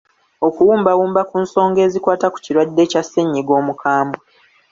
Okuwumbawumba ku songa ezikwata ku kirwadde kya ssennyga omukambwe.